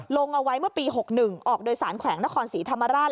ลงเอาไว้เมื่อปี๖๑ออกโดยสารแขวงนครศรีธรรมราช